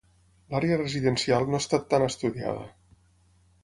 L'àrea residencial no ha estat tan estudiada.